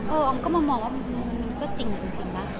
ออมก็มามองว่ามันก็จริงจริงป่ะ